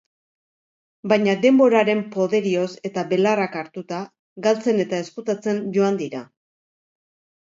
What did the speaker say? Baina denboraren poderioz, eta belarrak hartuta, galtzen eta ezkutatzen joan dira.